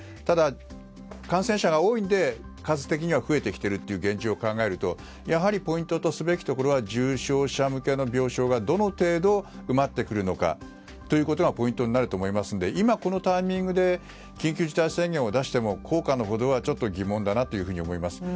ただ、感染者が多いので数的には増えてきているという現状を考えるとやはりポイントとすべきところは重症者向けの病床が、どの程度埋まってくるのかということがポイントになると思いますので今、このタイミングで緊急事態宣言を出しても効果のほどは疑問だなと思います。